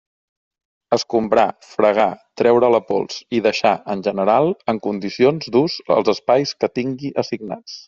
Escombrar, fregar, treure la pols i deixar, en general, en condicions d'ús els espais que tingui assignats.